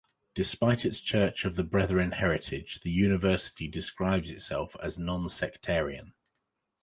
Despite its Church of the Brethren heritage, the University describes itself as non-sectarian.